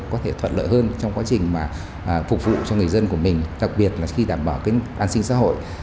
có thể thuận lợi hơn trong quá trình mà phục vụ cho người dân của mình đặc biệt là khi đảm bảo cái an sinh xã hội